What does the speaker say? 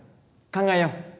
考えよう